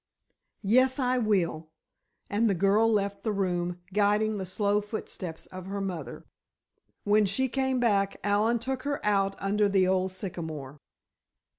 "Yes, I will," and the girl left the room, guiding the slow footsteps of her mother. When she came back, Allen took her out under the old sycamore.